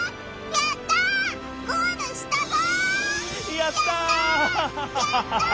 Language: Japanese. やったぞ！